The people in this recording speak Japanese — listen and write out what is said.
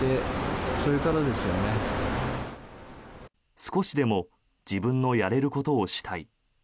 少しでも自分のやれることをしたい。